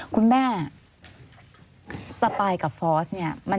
คุณแม่สปายกับฟอสเนี่ย